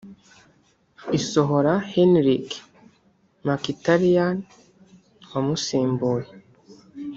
isohora Henrikh Mkhitaryan wamusimbuye